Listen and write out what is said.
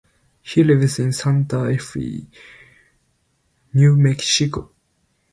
He lives in Santa Fe, New Mexico.